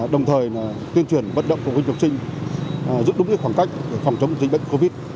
đồng thời tuyên truyền vận động phụ huynh học sinh giữ đúng khoảng cách để phòng chống dịch bệnh covid